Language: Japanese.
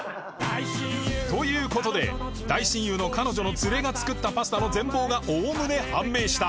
という事で大親友の彼女の連れが作ったパスタの全貌がおおむね判明した